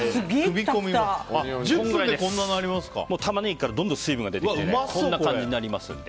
タマネギから水分が出てきてこんな感じになりますので。